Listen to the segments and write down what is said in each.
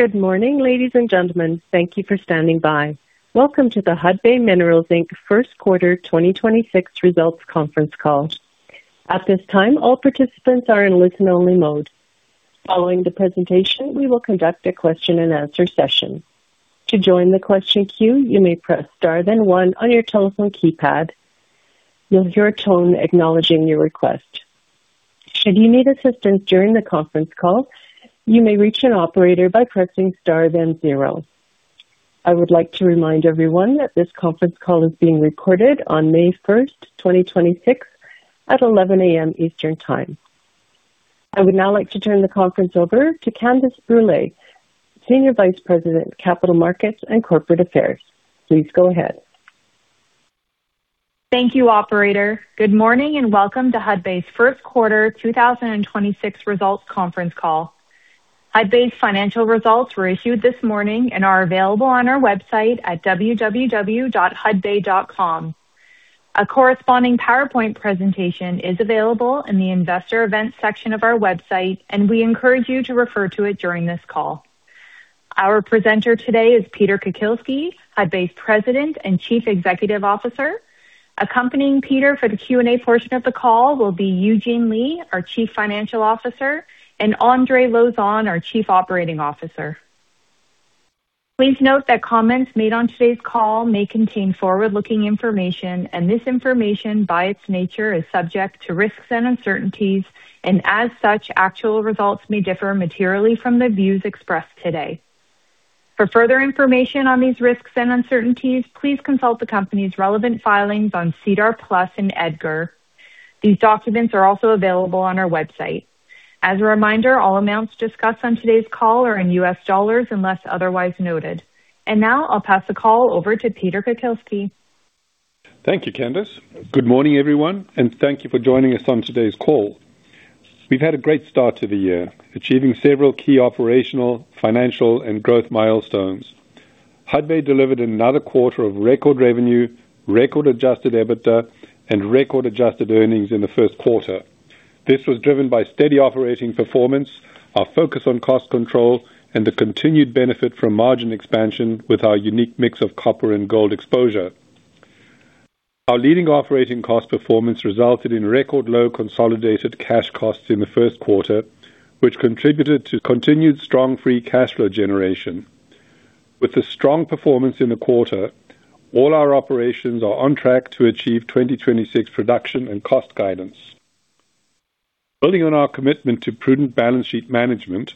Good morning, ladies and gentlemen. Thank you for standing by. Welcome to the Hudbay Minerals Inc. Q1 2026 results conference call. At this time, all participants are in listen-only mode. Following the presentation, we will conduct a question and answer session. To join the question queue, you may press star then 1 on your telephone keypad. You'll hear a tone acknowledging your request. Should you need assistance during the conference call, you may reach an operator by pressing star then 0. I would like to remind everyone that this conference call is being recorded on May 1, 2026, at 11:00 A.M. Eastern Time. I would now like to turn the conference over to Candace Brule, Senior Vice President, Capital Markets and Corporate Affairs. Please go ahead. Thank you, operator. Good morning and welcome to Hudbay's Q1 2026 results conference call. Hudbay's financial results were issued this morning and are available on our website at www.hudbay.com. A corresponding PowerPoint presentation is available in the investor events section of our website. We encourage you to refer to it during this call. Our presenter today is Peter Kukielski, Hudbay's President and Chief Executive Officer. Accompanying Peter for the Q&A portion of the call will be Eugene Lei, our Chief Financial Officer, and Andre Lauzon, our Chief Operating Officer. Please note that comments made on today's call may contain forward-looking information. This information, by its nature, is subject to risks and uncertainties. As such, actual results may differ materially from the views expressed today. For further information on these risks and uncertainties, please consult the company's relevant filings on SEDAR+ and EDGAR. These documents are also available on our website. As a reminder, all amounts discussed on today's call are in U.S. dollars unless otherwise noted. Now I'll pass the call over to Peter Kukielski. Thank you, Candace. Good morning, everyone. Thank you for joining us on today's call. We've had a great start to the year, achieving several key operational, financial, and growth milestones. Hudbay delivered another quarter of record revenue, record adjusted EBITDA, and record adjusted earnings in the Q1. This was driven by steady operating performance, our focus on cost control, and the continued benefit from margin expansion with our unique mix of copper and gold exposure. Our leading operating cost performance resulted in record low consolidated cash costs in the Q1, which contributed to continued strong free cash flow generation. With the strong performance in the quarter, all our operations are on track to achieve 2026 production and cost guidance. Building on our commitment to prudent balance sheet management,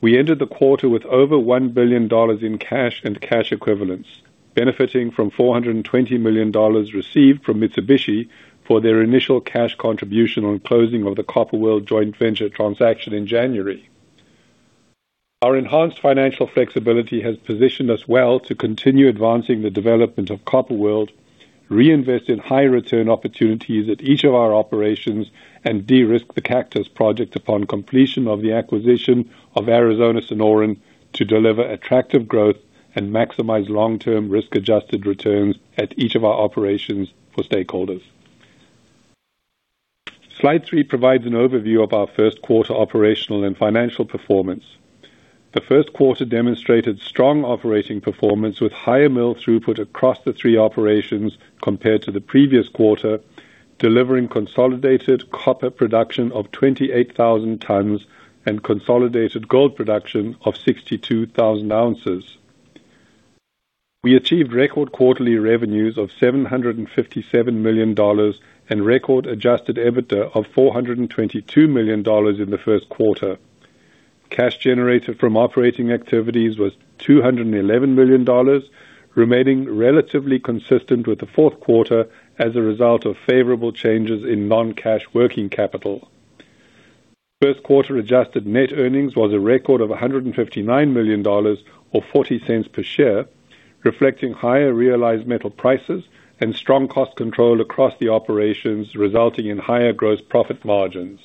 we entered the quarter with over $1 billion in cash and cash equivalents, benefiting from $420 million received from Mitsubishi for their initial cash contribution on closing of the Copper World joint venture transaction in January. Our enhanced financial flexibility has positioned us well to continue advancing the development of Copper World, reinvest in high return opportunities at each of our operations, and de-risk the Cactus Project upon completion of the acquisition of Arizona Sonoran to deliver attractive growth and maximize long-term risk-adjusted returns at each of our operations for stakeholders. Slide 3 provides an overview of our Q1 operational and financial performance. The Q1 demonstrated strong operating performance with higher mill throughput across the three operations compared to the previous quarter, delivering consolidated copper production of 28,000 tons and consolidated gold production of 62,000 ounces. We achieved record quarterly revenues of $757 million and record adjusted EBITDA of $422 million in the Q1. Cash generated from operating activities was $211 million, remaining relatively consistent with the Q4 as a result of favorable changes in non-cash working capital. Q1 adjusted net earnings was a record of $159 million or $0.40 per share, reflecting higher realized metal prices and strong cost control across the operations, resulting in higher gross profit margins.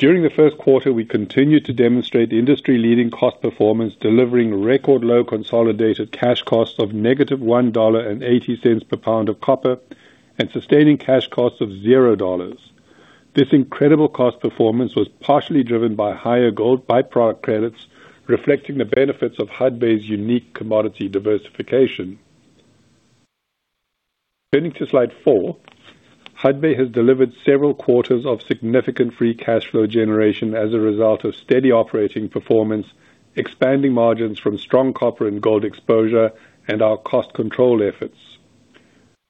During the Q1, we continued to demonstrate industry-leading cost performance, delivering record low consolidated cash costs of negative $1.80 per pound of copper and sustaining cash costs of $0. This incredible cost performance was partially driven by higher gold by-product credits, reflecting the benefits of Hudbay's unique commodity diversification. Turning to Slide 4. Hudbay has delivered several quarters of significant free cash flow generation as a result of steady operating performance, expanding margins from strong copper and gold exposure, our cost control efforts.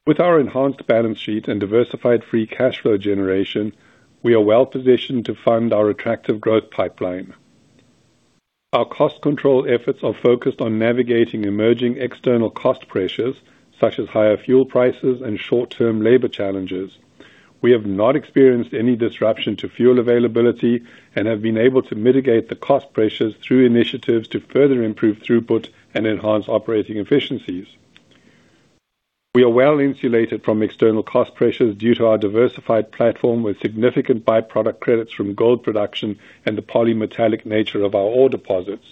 With our enhanced balance sheet and diversified free cash flow generation, we are well-positioned to fund our attractive growth pipeline. Our cost control efforts are focused on navigating emerging external cost pressures such as higher fuel prices and short-term labor challenges. We have not experienced any disruption to fuel availability and have been able to mitigate the cost pressures through initiatives to further improve throughput and enhance operating efficiencies. We are well-insulated from external cost pressures due to our diversified platform with significant by-product credits from gold production and the polymetallic nature of our ore deposits.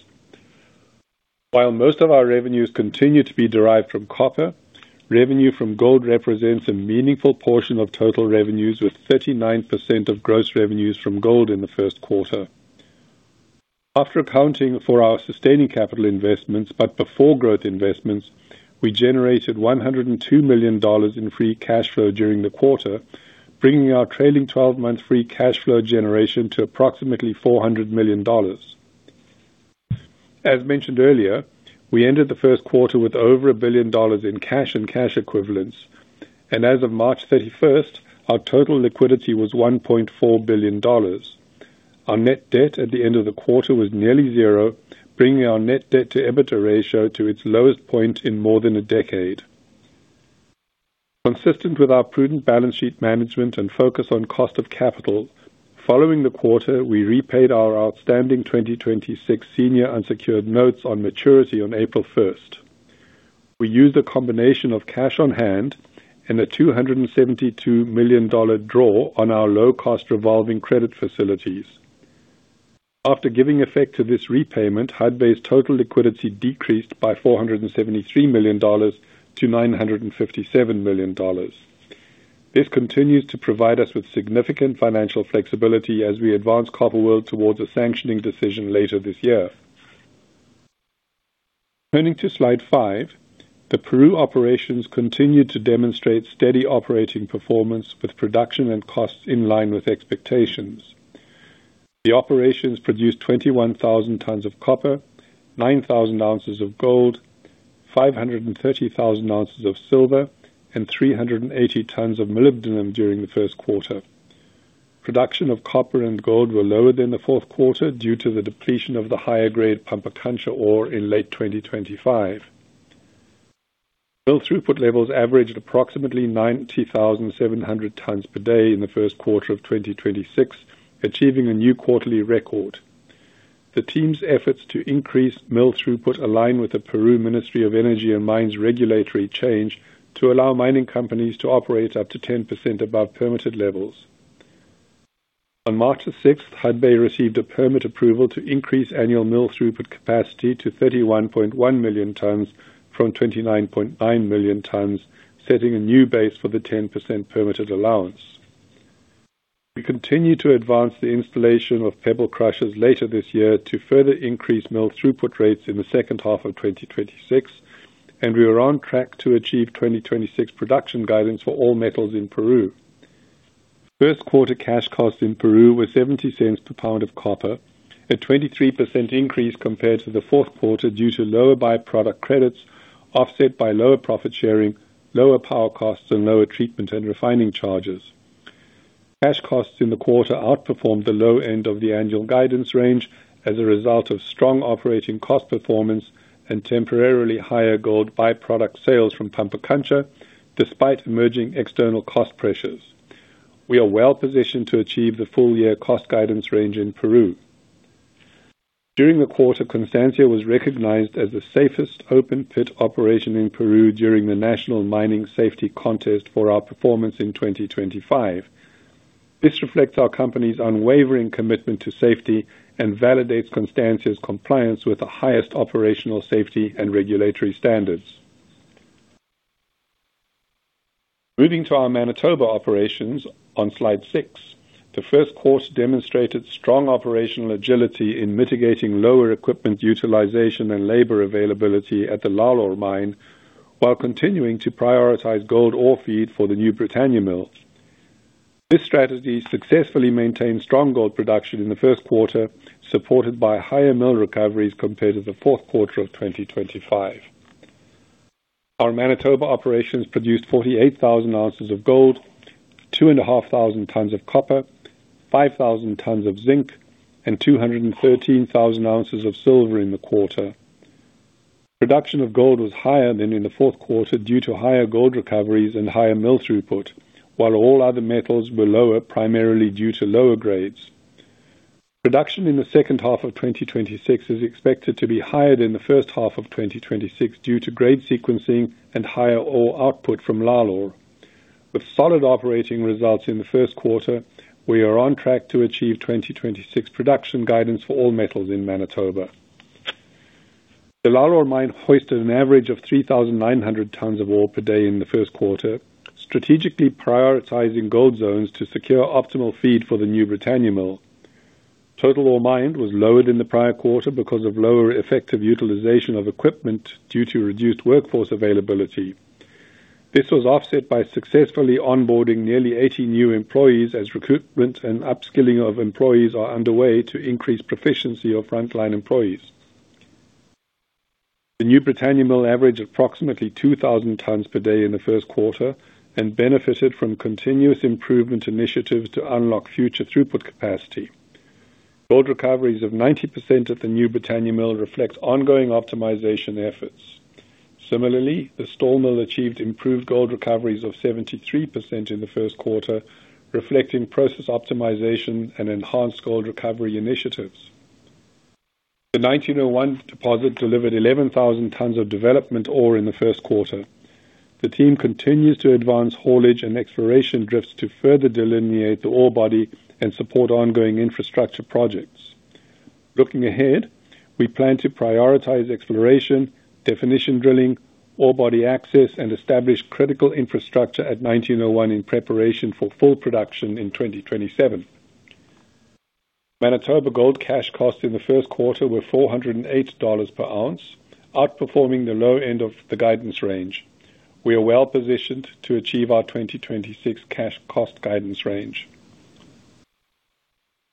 While most of our revenues continue to be derived from copper, revenue from gold represents a meaningful portion of total revenues, with 39% of gross revenues from gold in the Q1. After accounting for our sustaining capital investments, but before growth investments, we generated $102 million in free cash flow during the quarter, bringing our trailing 12-month free cash flow generation to approximately $400 million. As mentioned earlier, we ended the Q1 with over $1 billion in cash and cash equivalents, and as of March 31, our total liquidity was $1.4 billion. Our net debt at the end of the quarter was nearly 0, bringing our net debt to EBITDA ratio to its lowest point in more than a decade. Consistent with our prudent balance sheet management and focus on cost of capital, following the quarter, we repaid our outstanding 2026 senior unsecured notes on maturity on April 1. We used a combination of cash on hand and a $272 million draw on our low-cost revolving credit facilities. After giving effect to this repayment, Hudbay's total liquidity decreased by $473 million to $957 million. This continues to provide us with significant financial flexibility as we advance Copper World towards a sanctioning decision later this year. Turning to Slide 5, the Peru operations continued to demonstrate steady operating performance with production and costs in line with expectations. The operations produced 21,000 tons of copper, 9,000 ounces of gold, 530,000 ounces of silver, and 380 tons of molybdenum during the Q1. Production of copper and gold were lower than the Q4 due to the depletion of the higher-grade Pampacancha ore in late 2025. Mill throughput levels averaged approximately 90,700 tons per day in the Q1 of 2026, achieving a new quarterly record. The team's efforts to increase mill throughput align with the Ministry of Energy and Mines of Peru regulatory change to allow mining companies to operate up to 10% above permitted levels. On March 6, Hudbay received a permit approval to increase annual mill throughput capacity to 31.1 million tons from 29.9 million tons, setting a new base for the 10% permitted allowance. We continue to advance the installation of pebble crushers later this year to further increase mill throughput rates in the second half of 2026, and we are on track to achieve 2026 production guidance for all metals in Peru. Q1 cash costs in Peru were $0.70 per pound of copper, a 23% increase compared to the Q4 due to lower by-product credits offset by lower profit sharing, lower power costs, and lower treatment and refining charges. Cash costs in the quarter outperformed the low end of the annual guidance range as a result of strong operating cost performance and temporarily higher gold by-product sales from Pampacancha, despite emerging external cost pressures. We are well-positioned to achieve the full year cost guidance range in Peru. During the quarter, Constancia was recognized as the safest open-pit operation in Peru during the National Mining Safety Contest for our performance in 2025. This reflects our company's unwavering commitment to safety and validates Constancia's compliance with the highest operational safety and regulatory standards. Moving to our Manitoba operations on Slide 6. The Q1 demonstrated strong operational agility in mitigating lower equipment utilization and labor availability at the Lalor mine while continuing to prioritize gold ore feed for the New Britannia Mill. This strategy successfully maintained strong gold production in the Q1, supported by higher mill recoveries compared to the Q4 of 2025. Our Manitoba operations produced 48,000 ounces of gold, 2,500 tons of copper, 5,000 tons of zinc, and 213,000 ounces of silver in the quarter. Production of gold was higher than in the Q4 due to higher gold recoveries and higher mill throughput, while all other metals were lower, primarily due to lower grades. Production in the second half of 2026 is expected to be higher than the first half of 2026 due to grade sequencing and higher ore output from Lalor. With solid operating results in the Q1, we are on track to achieve 2026 production guidance for all metals in Manitoba. The Lalor mine hoisted an average of 3,900 tons of ore per day in the Q1 strategically prioritizing gold zones to secure optimal feed for the New Britannia Mill. Total ore mined was lower than the prior quarter because of lower effective utilization of equipment due to reduced workforce availability. This was offset by successfully onboarding nearly 80 new employees as recruitment and upskilling of employees are underway to increase proficiency of frontline employees. The New Britannia Mill averaged approximately 2,000 tons per day in the Q1 and benefited from continuous improvement initiatives to unlock future throughput capacity. Gold recoveries of 90% at the New Britannia Mill reflect ongoing optimization efforts. Similarly, the Stall Mill achieved improved gold recoveries of 73% in the Q1 reflecting process optimization and enhanced gold recovery initiatives. The 1901 deposit delivered 11,000 tons of development ore in the Q1. The team continues to advance haulage and exploration drifts to further delineate the ore body and support ongoing infrastructure projects. Looking ahead, we plan to prioritize exploration, definition drilling, ore body access, and establish critical infrastructure at 1901 in preparation for full production in 2027. Manitoba Gold cash costs in the Q1 were $408 per ounce, outperforming the low end of the guidance range. We are well-positioned to achieve our 2026 cash cost guidance range.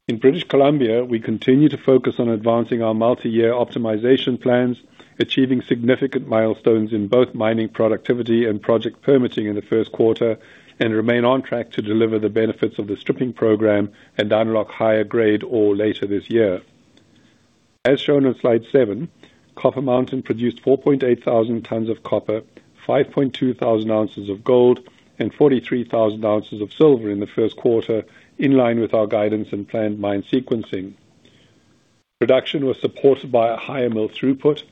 In British Columbia, we continue to focus on advancing our multi-year optimization plans, achieving significant milestones in both mining productivity and project permitting in the Q1, and remain on track to deliver the benefits of the stripping program and unlock higher grade ore later this year. As shown on Slide 7, Copper Mountain produced 4,800 tons of copper, 5,200 ounces of gold, and 43,000 ounces of silver in the Q1, in line with our guidance and planned mine sequencing. Production was supported by a higher mill throughput,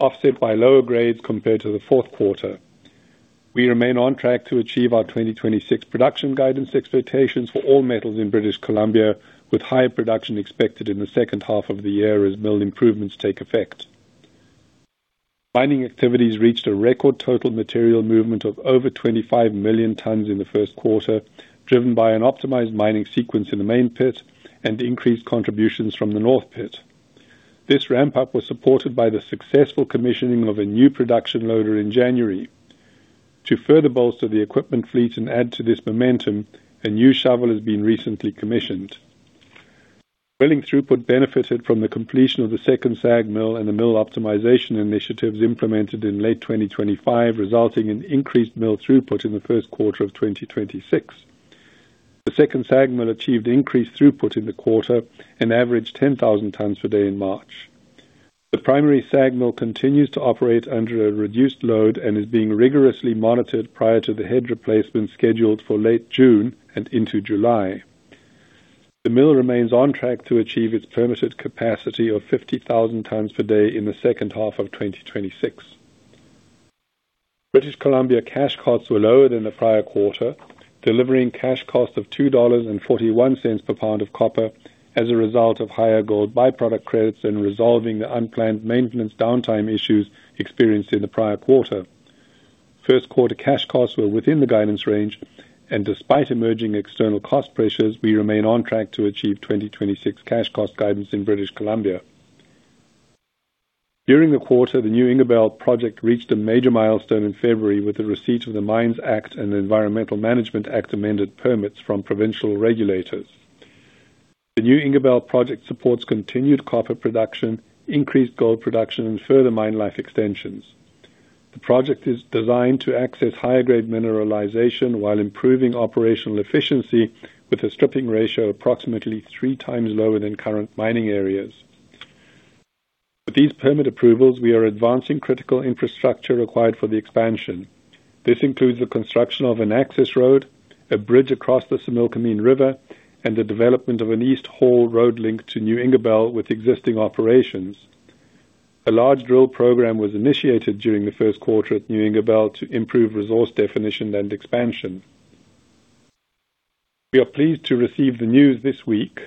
offset by lower grades compared to the Q4. We remain on track to achieve our 2026 production guidance expectations for all metals in British Columbia, with higher production expected in the second half of the year as mill improvements take effect. Mining activities reached a record total material movement of over 25 million tons in the Q1, driven by an optimized mining sequence in the main pit and increased contributions from the north pit. This ramp up was supported by the successful commissioning of a new production loader in January. To further bolster the equipment fleet and add to this momentum, a new shovel has been recently commissioned. Milling throughput benefited from the completion of the second SAG mill and the mill optimization initiatives implemented in late 2025, resulting in increased mill throughput in the Q1 of 2026. The second SAG mill achieved increased throughput in the quarter and averaged 10,000 tons per day in March. The primary SAG mill continues to operate under a reduced load and is being rigorously monitored prior to the head replacement scheduled for late June and into July. The mill remains on track to achieve its permitted capacity of 50,000 tons per day in the second half of 2026. British Columbia cash costs were lower than the prior quarter, delivering cash costs of $2.41 per pound of copper as a result of higher gold by-product credits and resolving the unplanned maintenance downtime issues experienced in the prior quarter. Q1 cash costs were within the guidance range, and despite emerging external cost pressures, we remain on track to achieve 2026 cash cost guidance in British Columbia. During the quarter, the New Ingerbelle project reached a major milestone in February with the receipt of the Mines Act and Environmental Management Act amended permits from provincial regulators. The New Ingerbelle project supports continued copper production, increased gold production, and further mine life extensions. The project is designed to access higher grade mineralization while improving operational efficiency with a stripping ratio approximately 3 times lower than current mining areas. With these permit approvals, we are advancing critical infrastructure required for the expansion. This includes the construction of an access road, a bridge across the Similkameen River, and the development of an East Haul road link to New Ingerbelle with existing operations. A large drill program was initiated during the Q1 at New Ingerbelle to improve resource definition and expansion. We are pleased to receive the news this week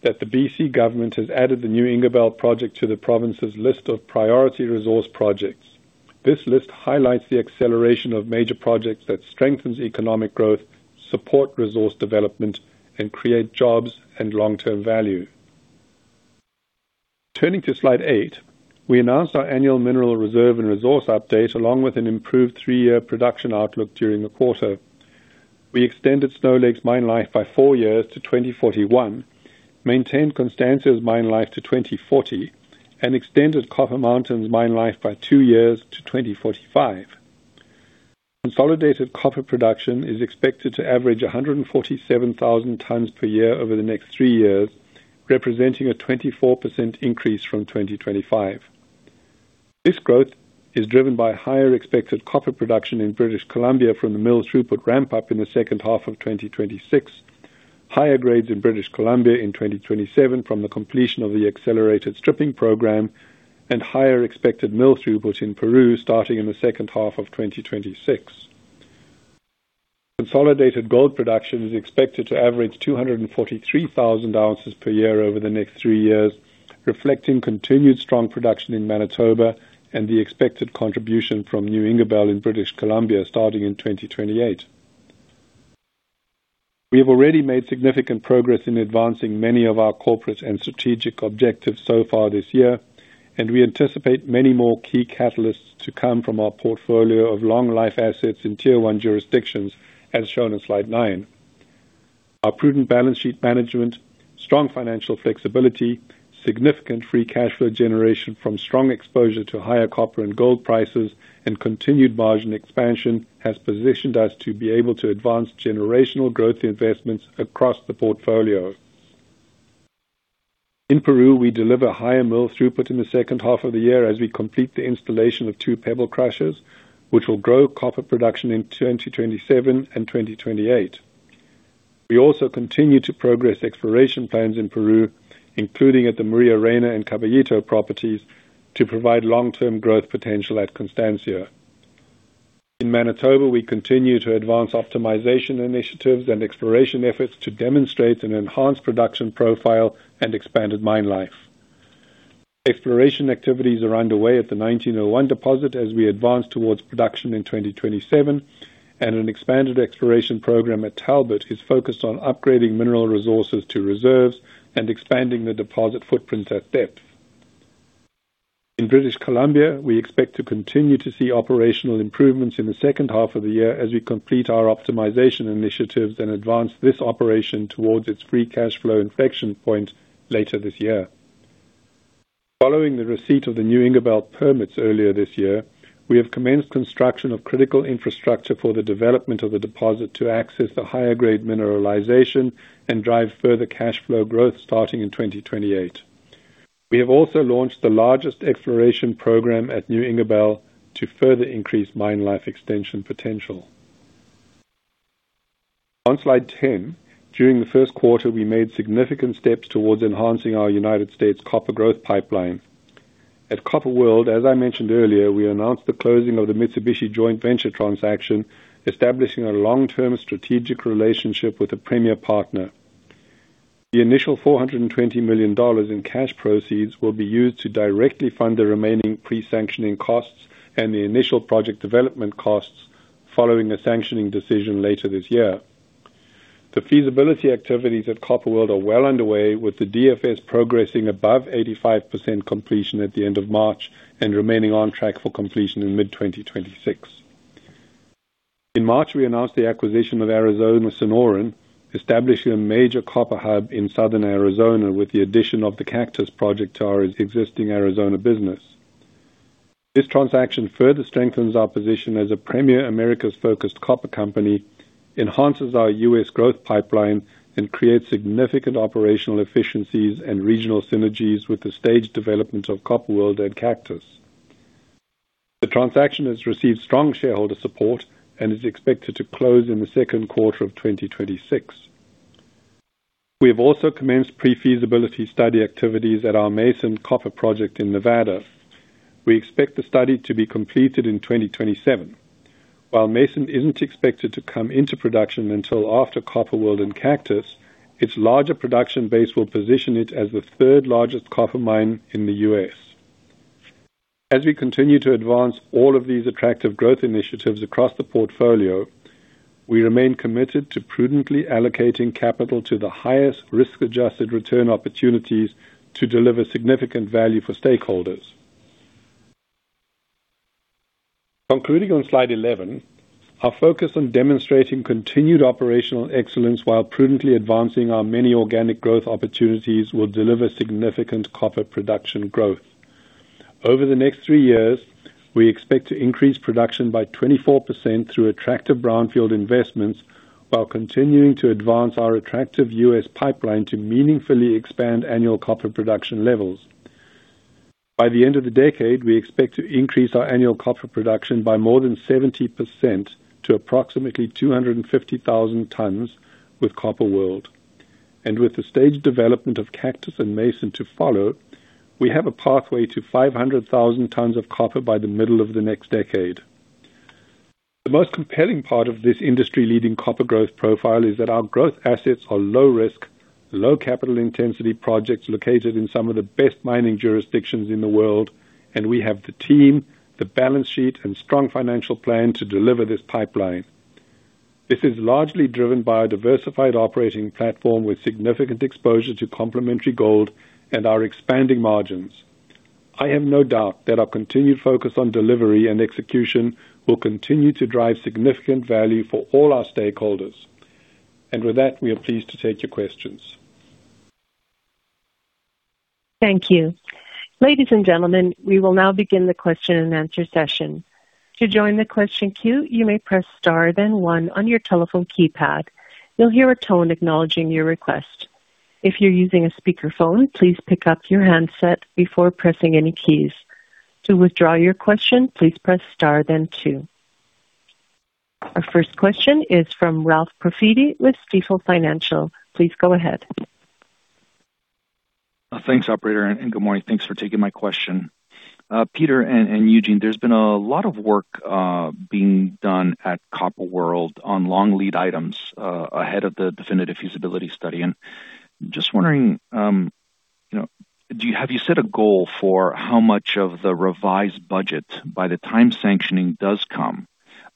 that the B.C. government has added the New Ingerbelle project to the province's list of priority resource projects. This list highlights the acceleration of major projects that strengthens economic growth, support resource development, and create jobs and long-term value. Turning to Slide 8, we announced our annual mineral reserve and resource update, along with an improved 3 year production outlook during the quarter. We extended Snow Lake's mine life by four years to 2041, maintained Constancia's mine life to 2040, and extended Copper Mountain's mine life by 2 years to 2045. Consolidated copper production is expected to average 147,000 tons per year over the next 3 years, representing a 24% increase from 2025. This growth is driven by higher expected copper production in British Columbia from the mill throughput ramp up in the second half of 2026. Higher grades in British Columbia in 2027 from the completion of the accelerated stripping program, and higher expected mill throughput in Peru starting in the second half of 2026. Consolidated gold production is expected to average 243,000 ounces per year over the next 3 years, reflecting continued strong production in Manitoba and the expected contribution from New Ingerbelle in British Columbia starting in 2028. We have already made significant progress in advancing many of our corporate and strategic objectives so far this year, and we anticipate many more key catalysts to come from our portfolio of long life assets in Tier 1 jurisdictions, as shown in Slide 9. Our prudent balance sheet management, strong financial flexibility, significant free cash flow generation from strong exposure to higher copper and gold prices, and continued margin expansion has positioned us to be able to advance generational growth investments across the portfolio. In Peru, we deliver higher mill throughput in the second half of the year as we complete the installation of 2 pebble crushers, which will grow copper production in 2027 and 2028. We also continue to progress exploration plans in Peru, including at the Maria Reyna and Caballito properties, to provide long-term growth potential at Constancia. In Manitoba, we continue to advance optimization initiatives and exploration efforts to demonstrate an enhanced production profile and expanded mine life. Exploration activities are underway at the 1901 deposit as we advance towards production in 2027. An expanded exploration program at Talbot is focused on upgrading mineral resources to reserves and expanding the deposit footprint at depth. In British Columbia, we expect to continue to see operational improvements in the second half of the year as we complete our optimization initiatives and advance this operation towards its free cash flow inflection point later this year. Following the receipt of the New Ingerbelle permits earlier this year, we have commenced construction of critical infrastructure for the development of the deposit to access the higher grade mineralization and drive further cash flow growth starting in 2028. We have also launched the largest exploration program at New Ingerbelle to further increase mine life extension potential. On Slide 10, during the Q1, we made significant steps towards enhancing our United States copper growth pipeline. At Copper World, as I mentioned earlier, we announced the closing of the Mitsubishi joint venture transaction, establishing a long-term strategic relationship with a premier partner. The initial $420 million in cash proceeds will be used to directly fund the remaining pre-sanctioning costs and the initial project development costs following the sanctioning decision later this year. The feasibility activities at Copper World are well underway, with the DFS progressing above 85% completion at the end of March and remaining on track for completion in mid-2026. In March, we announced the acquisition of Arizona Sonoran, establishing a major copper hub in southern Arizona with the addition of the Cactus Project to our existing Arizona business. This transaction further strengthens our position as a premier Americas-focused copper company, enhances our U.S. growth pipeline, and creates significant operational efficiencies and regional synergies with the staged development of Copper World and Cactus. The transaction has received strong shareholder support and is expected to close in the Q2 of 2026. We have also commenced pre-feasibility study activities at our Mason Copper Project in Nevada. We expect the study to be completed in 2027. While Mason isn't expected to come into production until after Copper World and Cactus, its larger production base will position it as the third-largest copper mine in the U.S. As we continue to advance all of these attractive growth initiatives across the portfolio, we remain committed to prudently allocating capital to the highest risk-adjusted return opportunities to deliver significant value for stakeholders. Concluding on Slide 11, our focus on demonstrating continued operational excellence while prudently advancing our many organic growth opportunities will deliver significant copper production growth. Over the next 3 years, we expect to increase production by 24% through attractive brownfield investments while continuing to advance our attractive U.S. pipeline to meaningfully expand annual copper production levels. By the end of the decade, we expect to increase our annual copper production by more than 70% to approximately 250,000 tons with Copper World. With the staged development of Cactus and Mason to follow, we have a pathway to 500,000 tons of copper by the middle of the next decade. The most compelling part of this industry-leading copper growth profile is that our growth assets are low risk, low capital intensity projects located in some of the best mining jurisdictions in the world, and we have the team, the balance sheet, and strong financial plan to deliver this pipeline. This is largely driven by a diversified operating platform with significant exposure to complementary gold and our expanding margins. I have no doubt that our continued focus on delivery and execution will continue to drive significant value for all our stakeholders. With that, we are pleased to take your questions. Thank you. Ladies and gentlemen, we will now begin the question and answer session. To join the question queue, you may press star then 1 on your telephone keypad. You'll hear a tone acknowledging your request. If you're using a speakerphone, please pick up your handset before pressing any keys. To withdraw your question, please press star then 2. Our first question is from Ralph M. Profiti with Stifel Financial. Please go ahead. Thanks, operator, and good morning. Thanks for taking my question. Peter and Eugene, there's been a lot of work being done at Copper World on long lead items ahead of the definitive feasibility study. Just wondering, you know, have you set a goal for how much of the revised budget by the time sanctioning does come,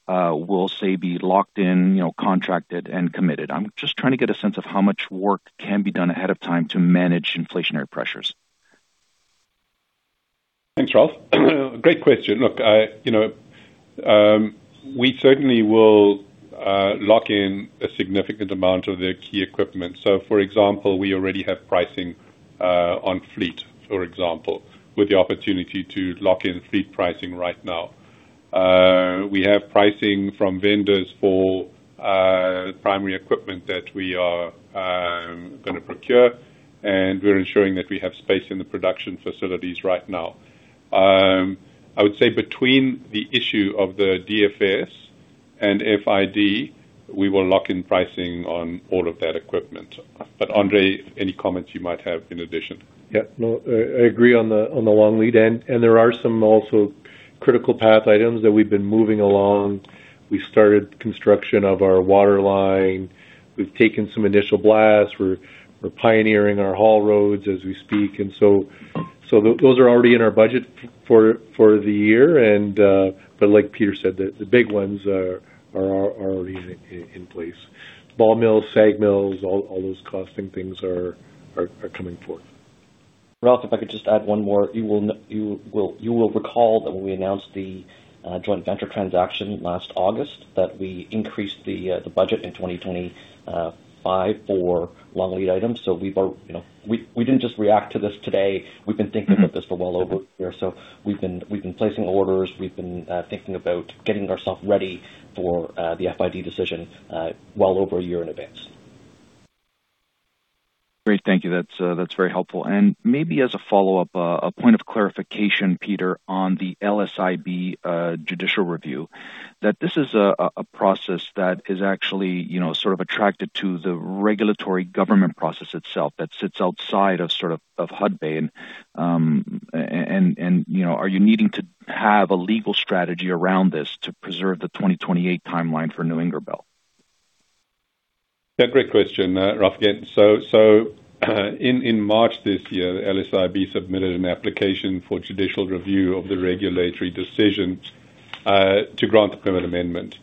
will, say, be locked in, you know, contracted and committed? I'm just trying to get a sense of how much work can be done ahead of time to manage inflationary pressures. Thanks, Ralph. Great question. Look, I, you know, we certainly will lock in a significant amount of the key equipment. For example, we already have pricing on fleet, for example, with the opportunity to lock in fleet pricing right now. We have pricing from vendors for primary equipment that we are. Going to procure, and we're ensuring that we have space in the production facilities right now. I would say between the issue of the DFS and FID, we will lock in pricing on all of that equipment. Andre, any comments you might have in addition? Yeah. No, I agree on the, on the long lead end, and there are some also critical path items that we've been moving along. We started construction of our water line. We've taken some initial blasts. We're pioneering our haul roads as we speak. Those are already in our budget for the year, but like Peter said, the big ones are already in place. Ball mills, SAG mills, all those costing things are coming 4th. Ralph, if I could just add one more. You will recall that when we announced the joint venture transaction last August, that we increased the budget in 2025 for long lead items. You know, we didn't just react to this today. We've been thinking about this for well over a year, we've been placing orders. We've been thinking about getting ourself ready for the FID decision well over a year in advance. Great. Thank you. That's, that's very helpful. Maybe as a follow-up, a point of clarification, Peter, on the LSIB judicial review, that this is a process that is actually, you know, sort of attracted to the regulatory government process itself that sits outside of sort of Hudbay. You know, are you needing to have a legal strategy around this to preserve the 2028 timeline for New Ingerbelle? Great question, Ralph. In March this year, the LSIB submitted an application for judicial review of the regulatory decision to grant the permit amendment.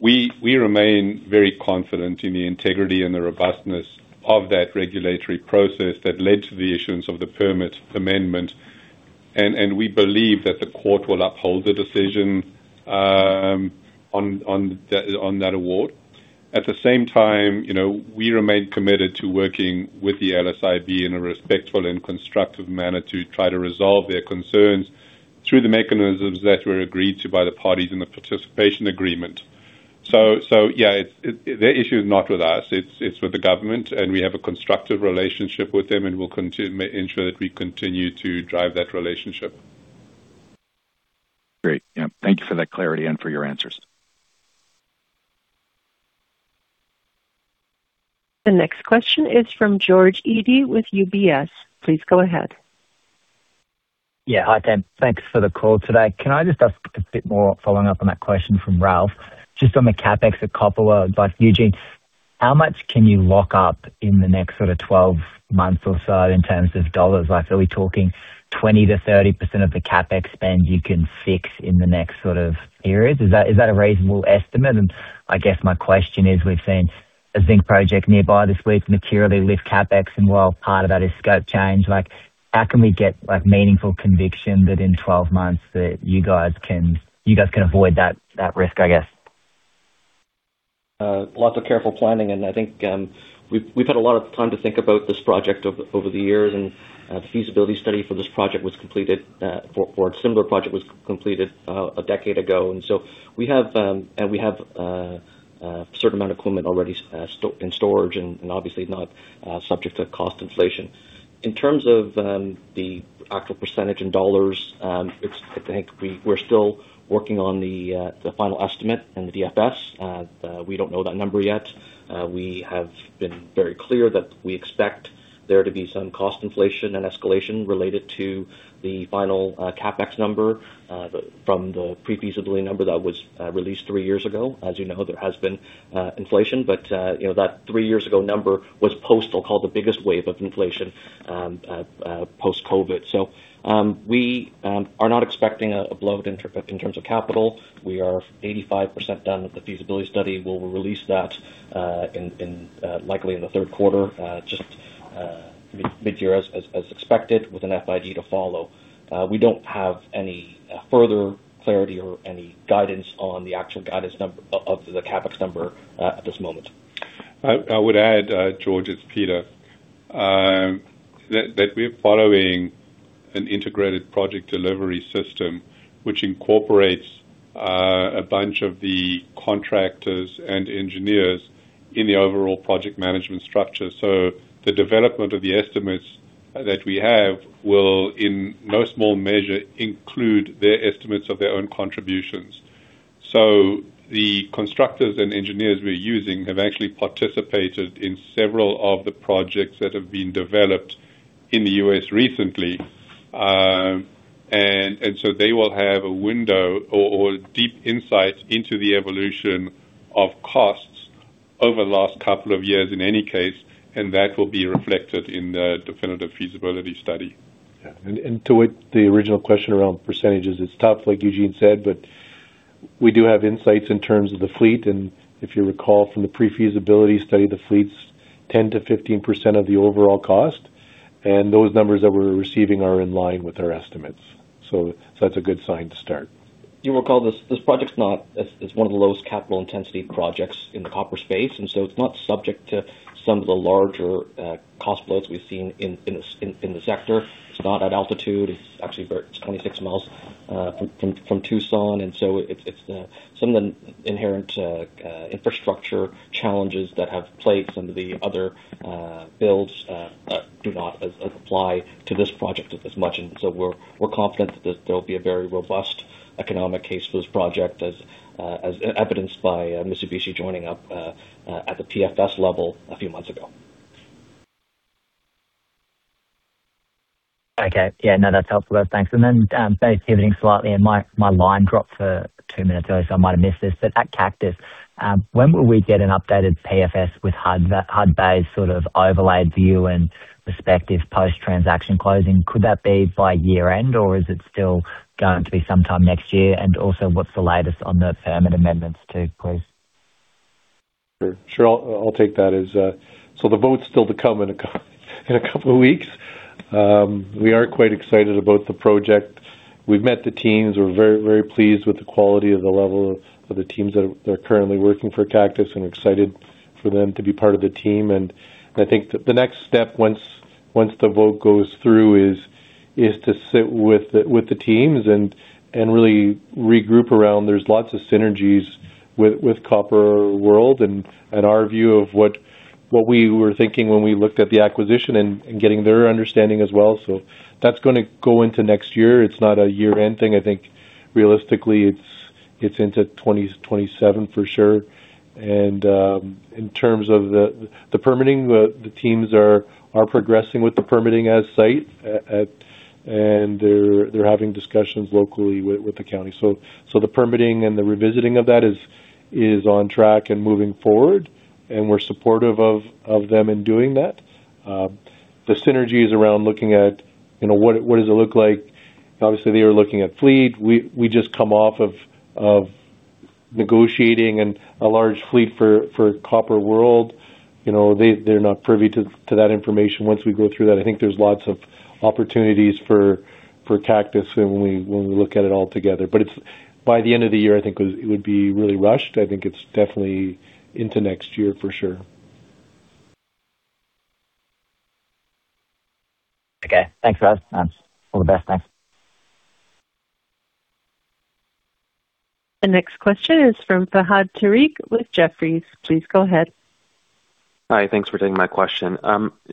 We remain very confident in the integrity and the robustness of that regulatory process that led to the issuance of the permit amendment, and we believe that the court will uphold the decision on that award. At the same time, you know, we remain committed to working with the LSIB in a respectful and constructive manner to try to resolve their concerns through the mechanisms that were agreed to by the parties in the participation agreement. Their issue is not with us. It's with the government, and we have a constructive relationship with them, and we'll ensure that we continue to drive that relationship. Great. Yeah. Thank you for that clarity and for your answers. The next question is from George Eadie with UBS. Please go ahead. Hi, Dan. Thanks for the call today. Can I just ask a bit more following up on that question from Ralph, just on the CapEx at Copper World. Eugene, how much can you lock up in the next sort of 12 months or so in terms of USD? Are we talking 20%-30% of the CapEx spend you can fix in the next sort of areas? Is that a reasonable estimate? I guess my question is, we've seen a zinc project nearby this week materially lift CapEx, and while part of that is scope change, like how can we get like meaningful conviction that in 12 months that you guys can avoid that risk, I guess. Lots of careful planning, and I think we've had a lot of time to think about this project over the years. A feasibility study for this project was completed, for a similar project was completed, a decade ago. We have, and we have a certain amount of equipment already in storage and obviously not subject to cost inflation. In terms of the actual percentage in dollars, I think we're still working on the final estimate and the DFS. We don't know that number yet. We have been very clear that we expect there to be some cost inflation and escalation related to the final CapEx number, the, from the pre-feasibility number that was released 3 years ago. As you know, there has been inflation. You know, that 3 years ago number was post what's called the biggest wave of inflation post-COVID. We are not expecting a blowup in terms of capital. We are 85% done with the feasibility study. We'll release that in, likely in the Q3, just mid-year as expected with an FID to follow. We don't have any further clarity or any guidance on the actual guidance of the CapEx number at this moment. I would add, George, it's Peter, that we're following an integrated project delivery system which incorporates a bunch of the contractors and engineers in the overall project management structure. The development of the estimates that we have will, in no small measure, include their estimates of their own contributions. The constructors and engineers we're using have actually participated in several of the projects that have been developed in the U.S. recently. They will have a window or deep insights into the evolution of costs over the last couple of years in any case, and that will be reflected in the definitive feasibility study. To what the original question around percentages, it's tough like Eugene Lei said, but we do have insights in terms of the fleet. If you recall from the pre-feasibility study, the fleet's 10%-15% of the overall cost, and those numbers that we're receiving are in line with our estimates. That's a good sign to start. You'll recall this project's one of the lowest capital intensity projects in the copper space, it's not subject to some of the larger cost blows we've seen in the sector. It's not at altitude. It's actually about 26 miles from Tucson. It's some of the inherent infrastructure challenges that have plagued some of the other builds do not apply to this project as much. We're confident that there'll be a very robust economic case for this project as evidenced by Mitsubishi joining up at the PFS level a few months ago. Okay. Yeah, no, that's helpful. Thanks. Pivoting slightly, my line dropped for 2 minutes earlier, so I might have missed this. When will we get an updated PFS with Hudbay's sort of overlaid view and perspective post-transaction closing? Could that be by year-end, or is it still going to be sometime next year? What's the latest on the permit amendments too, please? Sure. I'll take that as. The vote's still to come in a couple of weeks. We are quite excited about the project. We've met the teams. We're very pleased with the quality of the level of the teams that are currently working for Cactus and excited for them to be part of the team. I think the next step once the vote goes through is to sit with the teams and really regroup around. There's lots of synergies with Copper World and our view of what we were thinking when we looked at the acquisition and getting their understanding as well. That's gonna go into next year. It's not a year-end thing. I think realistically it's into 2027 for sure. In terms of the permitting, the teams are progressing with the permitting at site. They're having discussions locally with the county. The permitting and the revisiting of that is on track and moving forward, and we're supportive of them in doing that. The synergies around looking at, you know, what does it look like? Obviously, they are looking at fleet. We just come off of negotiating a large fleet for Copper World. You know, they're not privy to that information. Once we go through that, I think there's lots of opportunities for Cactus when we look at it all together. By the end of the year, I think it would be really rushed. I think it's definitely into next year for sure. Okay. Thanks, guys. All the best. Thanks. The next question is from Fahad Tariq with Jefferies. Please go ahead. Hi. Thanks for taking my question.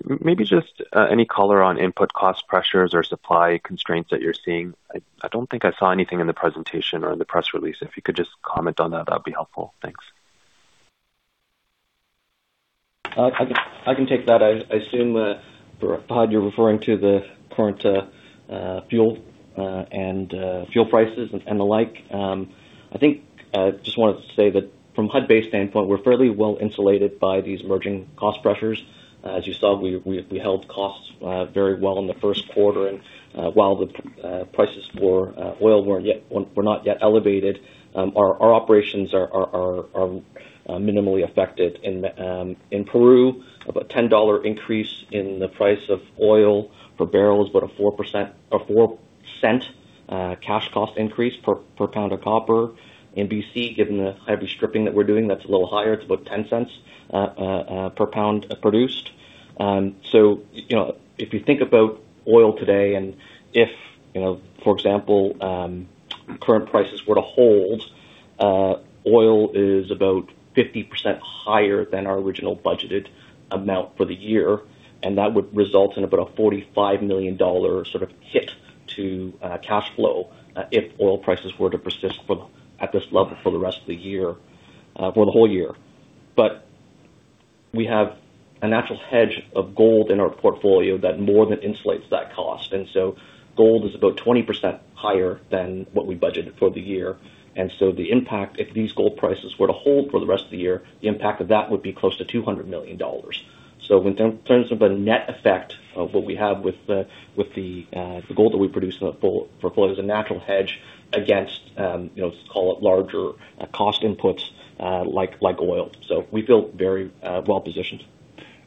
Maybe just any color on input cost pressures or supply constraints that you're seeing. I don't think I saw anything in the presentation or in the press release. If you could just comment on that'd be helpful. Thanks. I can take that. I assume, Fahad, you're referring to the current fuel and fuel prices and the like. I think, just wanted to say that from Hudbay standpoint, we're fairly well insulated by these emerging cost pressures. As you saw, we held costs very well in the Q1. While the prices for oil were not yet elevated, our operations are minimally affected. In Peru, about a $10 increase in the price of oil per barrel is about a 4% or $0.04 cash cost increase per pound of copper. In BC, given the heavy stripping that we're doing, that's a little higher. It's about $0.10 per pound produced. You know, if you think about oil today and if, you know, for example, current prices were to hold, oil is about 50% higher than our original budgeted amount for the year, and that would result in about a $45 million sort of hit to cash flow, if oil prices were to persist at this level for the rest of the year, for the whole year. We have a natural hedge of gold in our portfolio that more than insulates that cost. Gold is about 20% higher than what we budgeted for the year. The impact, if these gold prices were to hold for the rest of the year, the impact of that would be close to $200 million. In terms of a net effect of what we have with the gold that we produce for gold is a natural hedge against, you know, let's call it larger cost inputs like oil. We feel very well-positioned.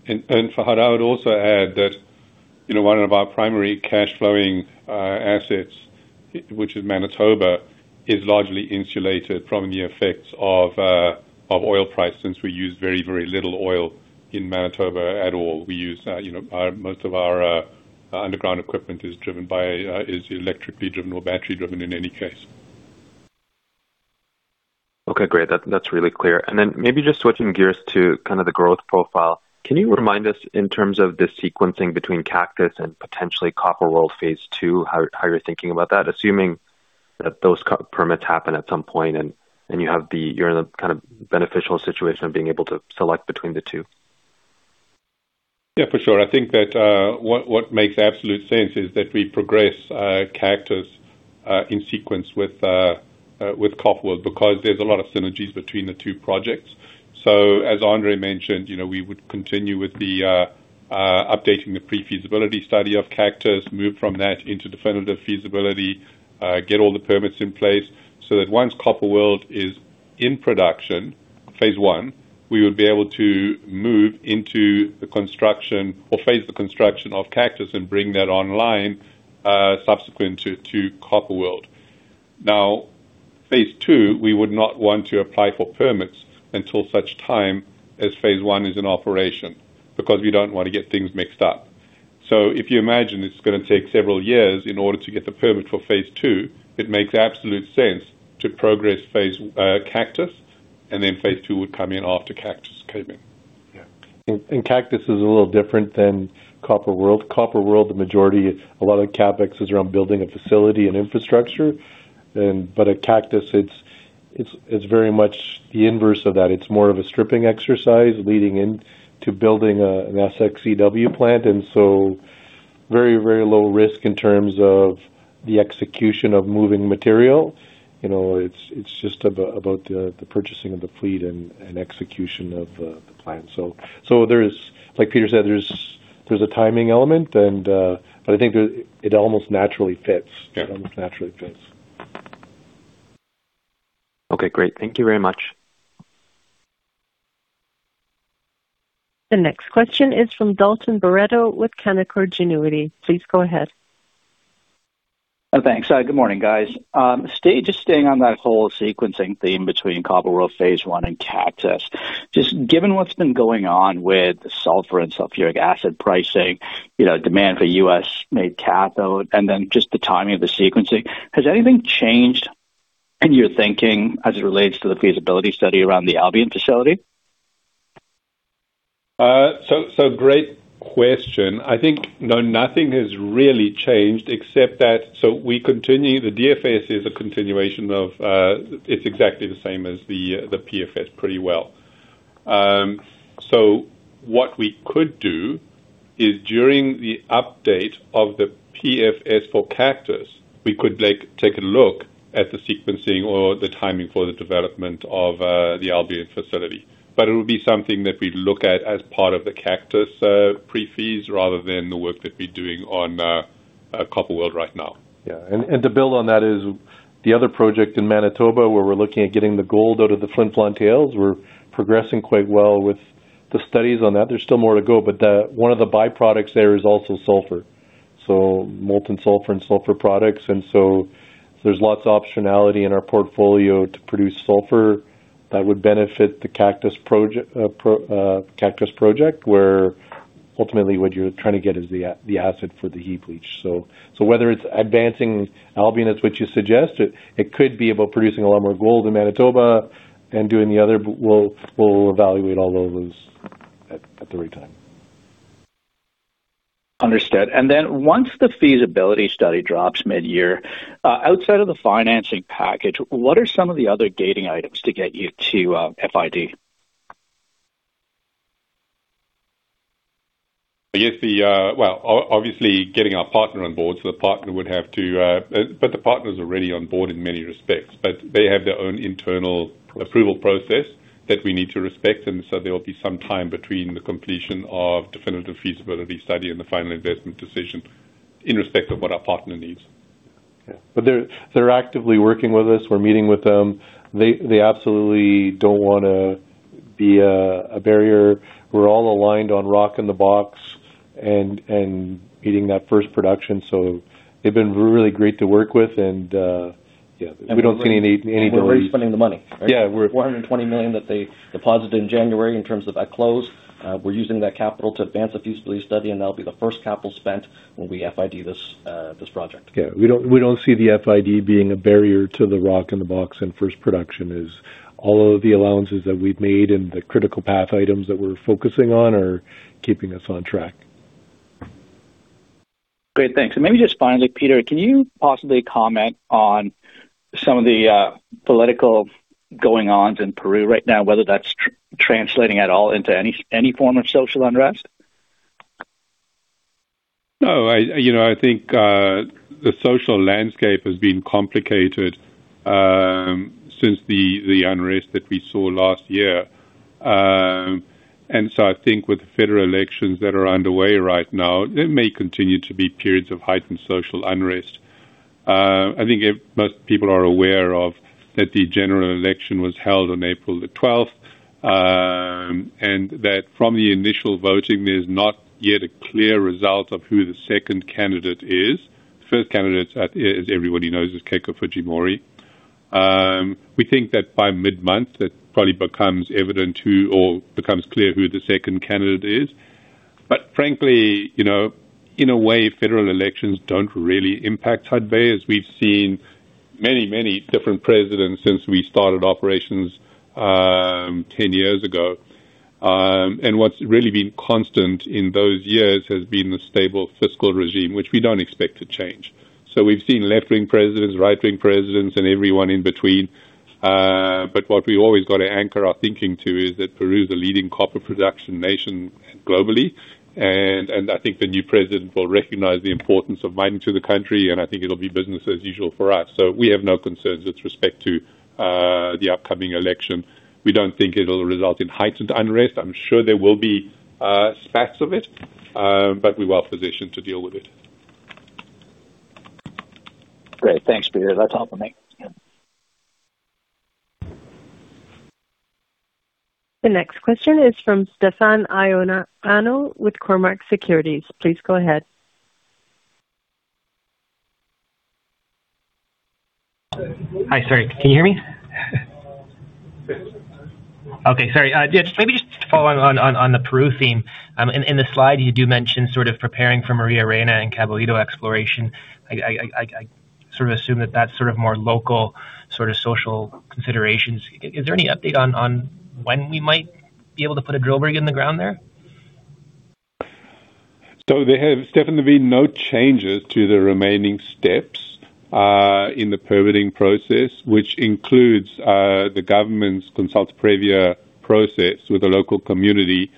Fahad, I would also add that, you know, one of our primary cash flowing assets, which is Manitoba, is largely insulated from the effects of oil price since we use very, very little oil in Manitoba at all. We use, you know, most of our underground equipment is electrically driven or battery driven in any case. Okay, great. That's really clear. Then maybe just switching gears to kind of the growth profile. Can you remind us in terms of the sequencing between Cactus and potentially Copper World Phase 2, how you're thinking about that? Assuming that those permits happen at some point and you have the kind of beneficial situation of being able to select between the two. Yeah, for sure. I think that what makes absolute sense is that we progress Cactus in sequence with Copper World because there's a lot of synergies between the two projects. As Andre mentioned, you know, we would continue with the updating the pre-feasibility study of Cactus, move from that into definitive feasibility, get all the permits in place so that once Copper World is in production. Phase 1, we would be able to move into the construction or phase the construction of Cactus and bring that online subsequent to Copper World. Phase 2, we would not want to apply for permits until such time as Phase 1 is in operation because we don't want to get things mixed up. If you imagine it's going to take several years in order to get the permit for Phase 2, it makes absolute sense to progress Cactus, and then Phase 2 would come in after Cactus came in. Yeah. Cactus is a little different than Copper World. Copper World, the majority, a lot of the CapEx is around building a facility and infrastructure. At Cactus, it's very much the inverse of that. it's more of a stripping exercise leading into building an SX/EW plant, very low risk in terms of the execution of moving material. You know, it's just about the purchasing of the fleet and execution of the plan. Like Peter said, there's a timing element, and I think it almost naturally fits. Yeah. It almost naturally fits. Okay, great. Thank you very much. The next question is from Dalton Baretto with Canaccord Genuity. Please go ahead. Thanks. Good morning, guys. Just staying on that whole sequencing theme between Copper World Phase 1 and Cactus. Given what's been going on with the sulfur and sulfuric acid pricing, you know, demand for U.S.-made cathode, and then just the timing of the sequencing, has anything changed in your thinking as it relates to the feasibility study around the Albion facility? Great question. I think, no, nothing has really changed except that. The DFS is a continuation of, it's exactly the same as the PFS pretty well. What we could do is during the update of the PFS for Cactus, we could like, take a look at the sequencing or the timing for the development of the Albion facility. It would be something that we look at as part of the Cactus pre-feasibility rather than the work that we're doing on Copper World right now. To build on that is the other project in Manitoba, where we're looking at getting the gold out of the Flin Flon tailings, we're progressing quite well with the studies on that. There's still more to go, one of the byproducts there is also sulfur. Molten sulfur and sulfur products. There's lots of optionality in our portfolio to produce sulfur that would benefit the Cactus Project, where ultimately what you're trying to get is the acid for the heap leach. So whether it's advancing Albion, as which you suggest, it could be about producing a lot more gold in Manitoba and doing the other. We'll evaluate all those at the right time. Understood. Once the feasibility study drops mid-year, outside of the financing package, what are some of the other gating items to get you to FID? Well obviously getting our partner on board, so the partner would have to. The partner's already on board in many respects, but they have their own internal approval process that we need to respect. There will be some time between the completion of definitive feasibility study and the final investment decision in respect of what our partner needs. Yeah. They're actively working with us. We're meeting with them. They absolutely don't wanna be a barrier. We're all aligned on rock in the box and hitting that first production. They've been really great to work with and, yeah, we don't see any delays. We're already spending the money, right? Yeah. $420 million that they deposited in January in terms of that close. We're using that capital to advance the feasibility study, and that'll be the first capital spent when we FID this project. Yeah. We don't see the FID being a barrier to the rock in the box and first production is all of the allowances that we've made and the critical path items that we're focusing on are keeping us on track. Great. Thanks. Maybe just finally, Peter, can you possibly comment on some of the political going ons in Peru right now, whether that's translating at all into any form of social unrest? No. I, you know, I think the social landscape has been complicated since the unrest that we saw last year. I think with the federal elections that are underway right now, there may continue to be periods of heightened social unrest. I think most people are aware of that the general election was held on April the 12th, and that from the initial voting, there's not yet a clear result of who the second candidate is. The first candidate, as everybody knows, is Keiko Fujimori. We think that by mid-month, it probably becomes evident who or becomes clear who the second candidate is. Frankly, you know, in a way, federal elections don't really impact Hudbay, as we've seen many, many different presidents since we started operations 10 years ago. What's really been constant in those years has been the stable fiscal regime, which we don't expect to change. We've seen left-wing presidents, right-wing presidents, and everyone in between. What we've always got to anchor our thinking to is that Peru is a leading copper production nation globally, I think the new president will recognize the importance of mining to the country, I think it'll be business as usual for us. We have no concerns with respect to the upcoming election. We don't think it'll result in heightened unrest. I'm sure there will be spats of it, but we're well-positioned to deal with it. Great. Thanks, Peter. That's all for me. Yeah. The next question is from Stefan Ioannou with Cormark Securities. Please go ahead. Hi. Sorry. Can you hear me? Okay. Sorry. Maybe just to follow on the Peru theme. In the slide, you do mention sort of preparing for Maria Reyna and Caballito exploration. I sort of assume that that's sort of more local sort of social considerations. Is there any update on when we might be able to put a drill rig in the ground there? There have definitely been no changes to the remaining steps in the permitting process, which includes the government's Consulta previa process with the local community.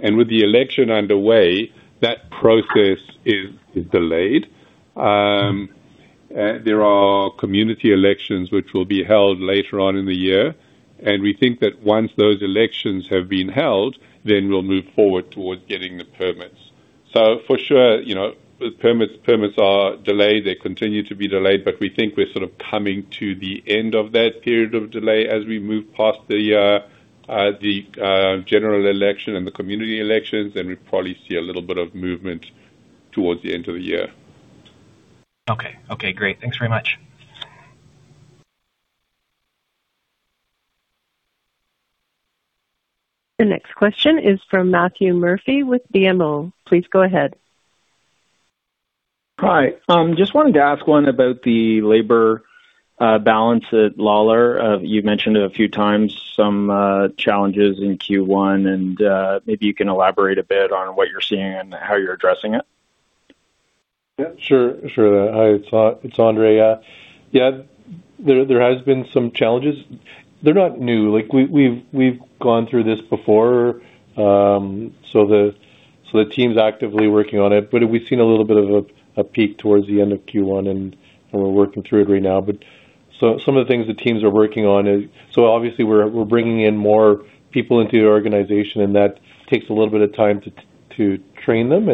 With the election underway, that process is delayed. There are community elections which will be held later on in the year, and we think that once those elections have been held, then we'll move forward towards getting the permits. For sure, you know, the permits are delayed. They continue to be delayed, but we think we're sort of coming to the end of that period of delay as we move past the general election and the community elections, then we'll probably see a little bit of movement towards the end of the year. Okay. Okay, great. Thanks very much. The next question is from Matthew Murphy with BMO Capital Markets. Please go ahead. Hi. Just wanted to ask one about the labor balance at Lalor. You've mentioned a few times some challenges in Q1, and maybe you can elaborate a bit on what you're seeing and how you're addressing it. Yeah, sure. Sure. Hi, it's Andre. There has been some challenges. They're not new. Like, we've gone through this before. The team's actively working on it. We've seen a little bit of a peak towards the end of Q1, and we're working through it right now. Some of the things the teams are working on is obviously we're bringing in more people into the organization, and that takes a little bit of time to train them.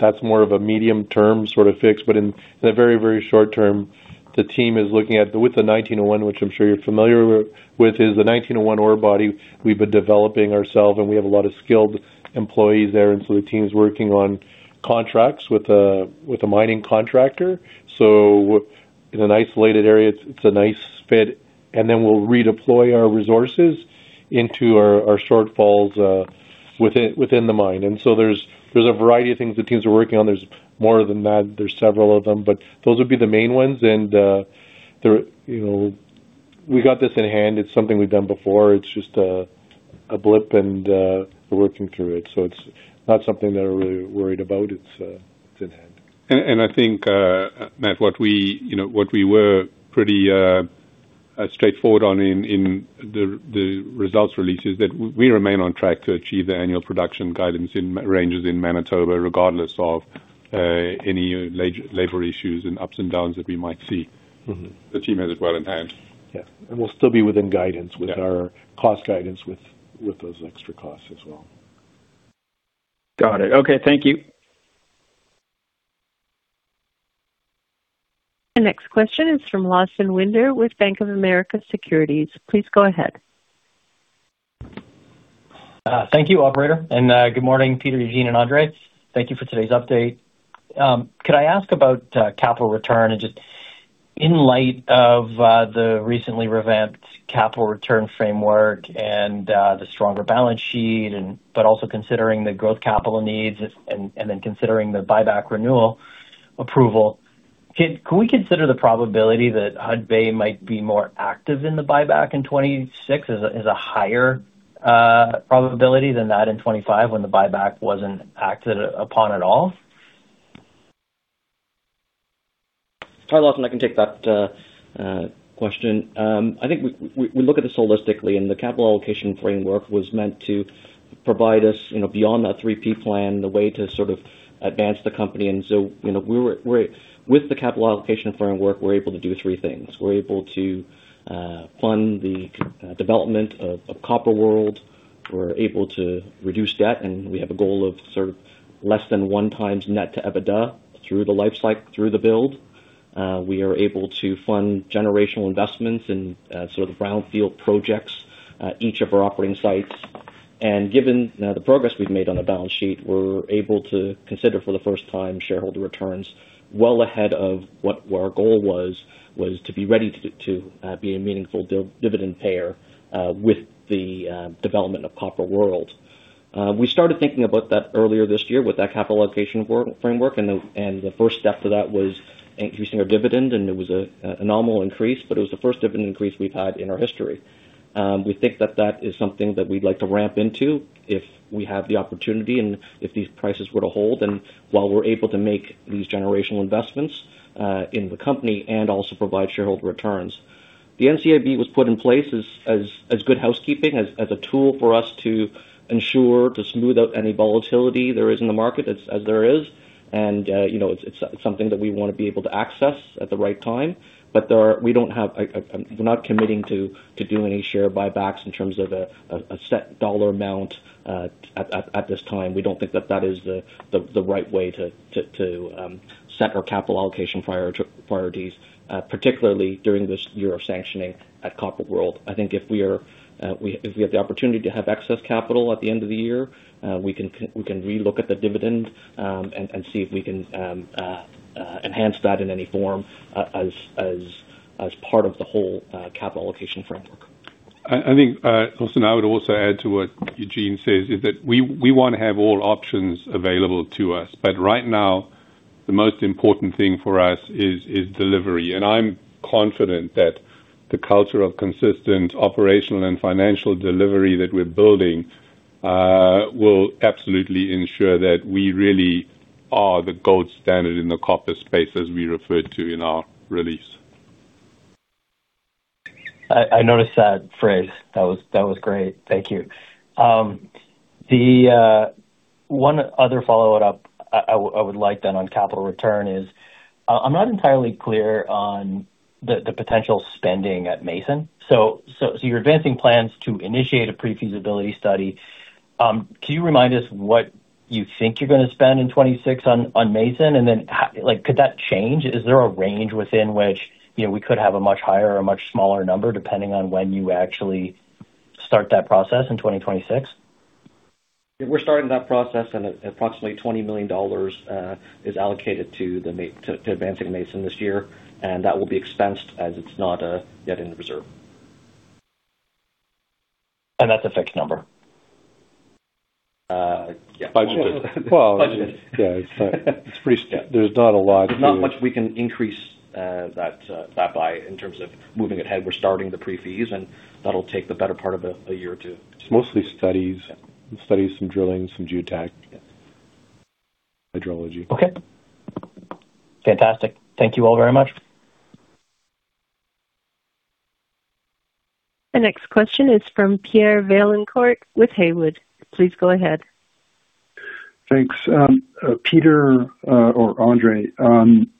That's more of a medium term sort of fix. In the very short term, the team is looking at with the 1901, which I'm sure you're familiar with, is the 1901 ore body we've been developing ourselves, and we have a lot of skilled employees there. The team's working on contracts with a mining contractor. In an isolated area, it's a nice fit. We'll redeploy our resources into our shortfalls within the mine. There's a variety of things the teams are working on. There's more than that. There's several of them, but those would be the main ones. They're, you know, we got this in hand. It's something we've done before. It's just a blip and we're working through it. It's not something that I'm really worried about. It's in hand. I think, Matt, what we, you know, what we were pretty straightforward on in the results release is that we remain on track to achieve the annual production guidance in ranges in Manitoba, regardless of any labor issues and ups and downs that we might see. The team has it well in hand. Yeah. We'll still be within guidance- Yeah. with our cost guidance, with those extra costs as well. Got it. Okay. Thank you. The next question is from Lawson Winder with Bank of America Securities. Please go ahead. Thank you, operator. Good morning, Peter, Eugene, and Andre. Thank you for today's update. Could I ask about capital return? Just in light of the recently revamped capital return framework and the stronger balance sheet, but also considering the growth capital needs, then considering the buyback renewal approval, can we consider the probability that Hudbay might be more active in the buyback in 2026 as a higher probability than that in 2025 when the buyback wasn't acted upon at all? Hi, Lawson, I can take that question. I think we look at this holistically, and the capital allocation framework was meant to provide us, you know, beyond that 3P plan, the way to sort of advance the company. You know, with the capital allocation framework, we're able to do 3 things. We're able to fund the development of Copper World. We're able to reduce debt, and we have a goal of sort of less than 1 times net to EBITDA through the life cycle, through the build. We are able to fund generational investments in sort of brownfield projects each of our operating sites. Given the progress we've made on the balance sheet, we're able to consider for the first time shareholder returns well ahead of what our goal was to be ready to be a meaningful dividend payer, with the development of Copper World. We started thinking about that earlier this year with that capital allocation framework, and the first step to that was increasing our dividend, and it was a nominal increase, but it was the first dividend increase we've had in our history. We think that that is something that we'd like to ramp into if we have the opportunity and if these prices were to hold and while we're able to make these generational investments in the company and also provide shareholder returns. The NCIB was put in place as good housekeeping, as a tool for us to ensure, to smooth out any volatility there is in the market as there is. You know, it's something that we wanna be able to access at the right time. We don't have a, we're not committing to doing any share buybacks in terms of a set dollar amount at this time. We don't think that that is the right way to set our capital allocation priorities, particularly during this year of sanctioning at Copper World. I think if we have the opportunity to have excess capital at the end of the year, we can relook at the dividend and see if we can enhance that in any form as part of the whole capital allocation framework. I think, also I would also add to what Eugene says, is that we wanna have all options available to us. Right now, the most important thing for us is delivery. I'm confident that the culture of consistent operational and financial delivery that we're building, will absolutely ensure that we really are the gold standard in the copper space, as we referred to in our release. I noticed that phrase. That was great. Thank you. The one other follow-up I would like then on capital return is I'm not entirely clear on the potential spending at Mason. You're advancing plans to initiate a pre-feasibility study. Can you remind us what you think you're gonna spend in 2026 on Mason? Then how, like, could that change? Is there a range within which, you know, we could have a much higher or much smaller number depending on when you actually start that process in 2026? Yeah, we're starting that process and at approximately $20 million is allocated to advancing Mason this year, and that will be expensed as it's not yet in the reserve. That's a fixed number? Yeah. Budget. Well- Budget. Yeah, it's There's not a lot to. There's not much we can increase that by in terms of moving it ahead. We're starting the PFS, that'll take the better part of a year or 2. It's mostly studies. Yeah. Studies, some drilling, some geotech. Yeah. Hydrology. Okay. Fantastic. Thank you all very much. The next question is from Pierre Vaillancourt with Haywood Securities. Please go ahead. Thanks. Peter, or Andre,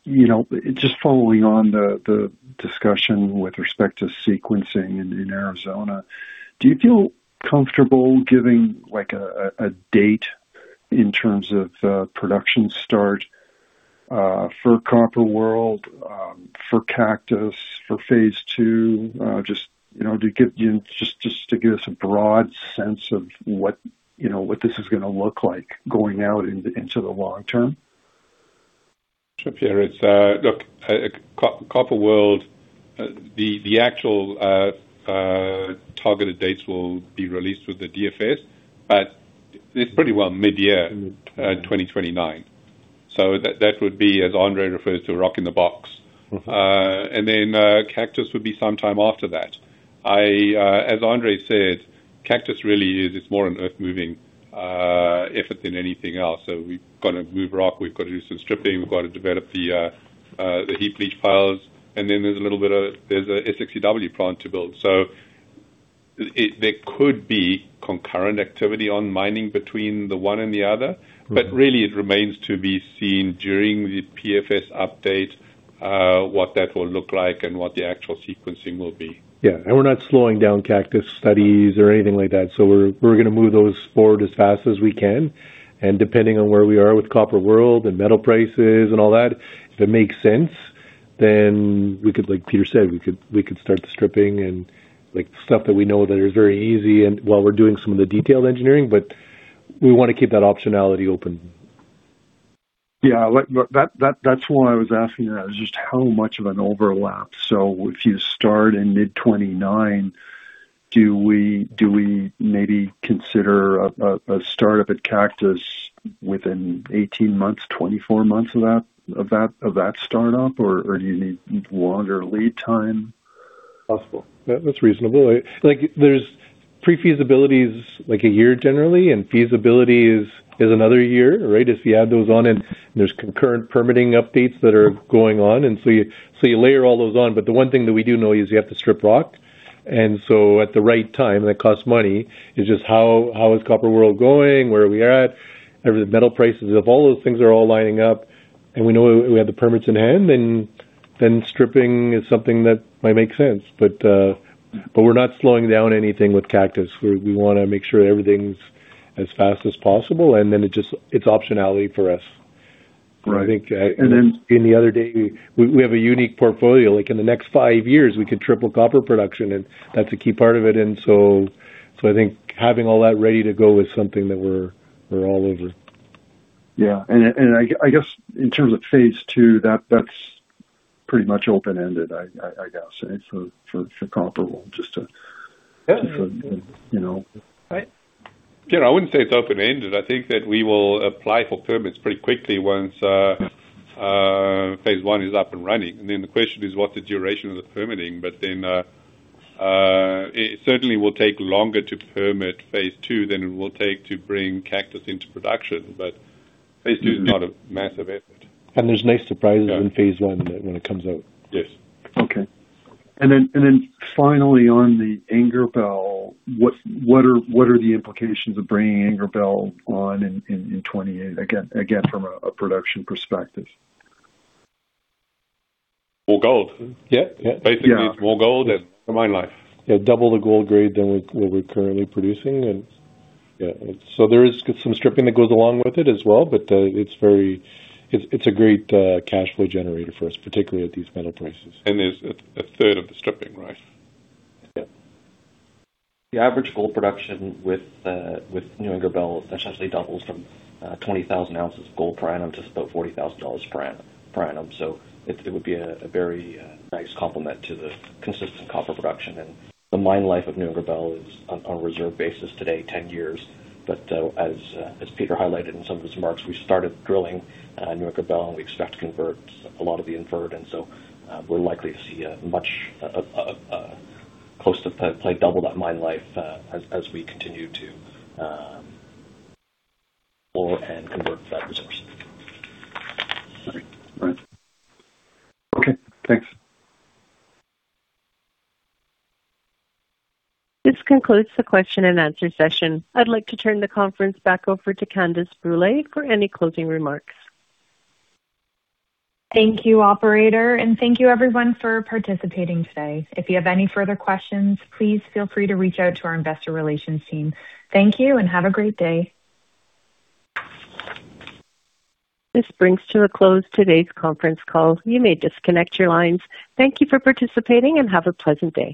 you know, just following on the discussion with respect to sequencing in Arizona, do you feel comfortable giving, like, a date in terms of production start for Copper World, for Cactus, for Phase 2? Just, you know, to give us a broad sense of what, you know, what this is gonna look like going out into the long term. Sure, Pierre. It's, look, Copper World, the actual, targeted dates will be released with the DFS, but it's pretty well midyear, 2029. That, that would be, as Andre refers to, a rock in the box. Cactus would be sometime after that. I, as Andre said, Cactus really is, it's more an earth moving effort than anything else. We've gotta move rock, we've got to do some stripping, we've got to develop the heap leach piles. There's a little bit of, there's a SX/EW plant to build. There could be concurrent activity on mining between the one and the other. Really it remains to be seen during the PFS update, what that will look like and what the actual sequencing will be. Yeah. We're not slowing down Cactus studies or anything like that. We're gonna move those forward as fast as we can. Depending on where we are with Copper World and metal prices and all that, if it makes sense, then we could, like Peter said, we could start the stripping and, like, stuff that we know that is very easy and while we're doing some of the detailed engineering. We wanna keep that optionality open. Yeah. That's why I was asking that, is just how much of an overlap. If you start in mid 2029, do we maybe consider a startup at Cactus within 18 months, 24 months of that startup? Or do you need longer lead time? Possible. That's reasonable. Like, there's pre-feasibility is like a year generally, feasibility is another year, right? If you add those on, there's concurrent permitting updates that are going on, you layer all those on. The one thing that we do know is you have to strip rock. At the right time, that costs money, it's just how is Copper World going? Where are we at? Are the metal prices up? If all those things are all lining up, we know we have the permits in hand, stripping is something that might make sense. We're not slowing down anything with Cactus. We wanna make sure everything's as fast as possible, it's optionality for us. Right. I think. And then- In the other day, we have a unique portfolio. Like, in the next five years, we could triple copper production, and that's a key part of it. I think having all that ready to go is something that we're all over. Yeah. I guess in terms of Phase 2, that's pretty much open-ended, I guess, eh? For Copper World? Yeah. You know. Right. You know, I wouldn't say it's open-ended. I think that we will apply for permits pretty quickly once Phase 1 is up and running. The question is what's the duration of the permitting? It certainly will take longer to permit Phase 2 than it will take to bring Cactus into production. Phase 2 is not a massive effort. There's nice surprises in Phase 1 when it comes out. Yes. Okay. Then finally on the New Ingerbelle, what are the implications of bringing New Ingerbelle on in 2028, again from a production perspective? More gold. Yeah. Yeah. Basically more gold and mine life. Yeah, double the gold grade than we're currently producing. Yeah, there is some stripping that goes along with it as well, but it's a great cash flow generator for us, particularly at these metal prices. There's a third of the stripping, right? Yeah. The average gold production with New Ingerbelle essentially doubles from 20,000 ounces of gold per annum to about $40,000 per annum. It would be a very nice complement to the consistent copper production. The mine life of New Ingerbelle is on a reserve basis today, 10 years. As Peter highlighted in some of his remarks, we started drilling New Ingerbelle, and we expect to convert a lot of the inferred. We're likely to see a much close to probably double that mine life as we continue to pull and convert that resource. Right. Right. Okay, thanks. This concludes the question and answer session. I'd like to turn the conference back over to Candace Brule for any closing remarks. Thank you, operator, and thank you everyone for participating today. If you have any further questions, please feel free to reach out to our investor relations team. Thank you, and have a great day. This brings to a close today's conference call. You may disconnect your lines. Thank you for participating, and have a pleasant day.